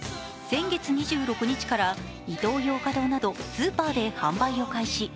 先月２６日からイトーヨーカドーなどスーパーで販売を開始。